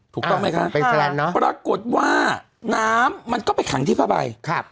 ถูกต้องไหมคะปรากฏว่าน้ำมันก็ไปขังที่ผ้าใบ